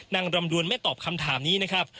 นางรำดวนไม่ตอบคำถามนี้นะครับ